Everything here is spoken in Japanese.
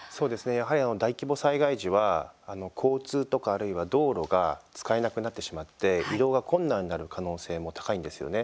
やはり大規模災害時は交通とか、あるいは道路が使えなくなってしまって移動が困難になる可能性も高いんですよね。